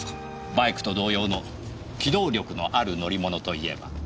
バイクと同様の機動力のある乗り物といえば。